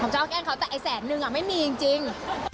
จริง